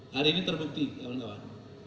hari ini terbukti teman teman